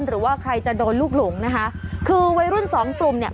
หรือว่าใครจะโดนลูกหลงนะคะคือวัยรุ่นสองกลุ่มเนี่ย